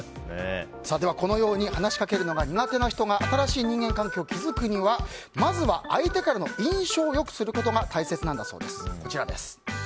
このように話しかけるのが苦手な人が新しい人間関係を築くにはまずは相手からの印象を良くすることが大切なんだそうです。